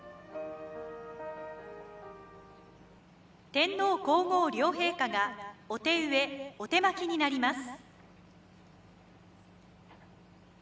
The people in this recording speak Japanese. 天皇皇后両陛下がお手植えお手播きになります。